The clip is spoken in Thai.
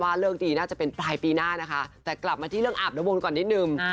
เลิกดีน่าจะเป็นปลายปีหน้านะคะแต่กลับมาที่เรื่องอาบนก่อนนิดนึง